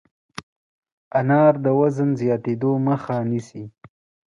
انار د وزن زیاتېدو مخه نیسي.